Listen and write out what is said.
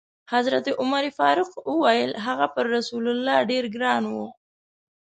حضرت عمر فاروق وویل: هغه پر رسول الله ډېر ګران و.